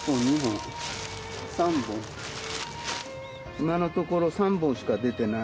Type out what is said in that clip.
今のところ３本しか出てない。